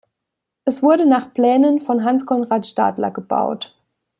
Es wurde nach Plänen von Hans Conrad Stadler gebaut.